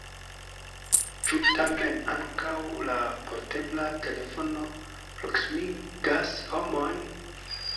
Ĉu tamen ankaŭ la portebla telefono proksimigas homojn?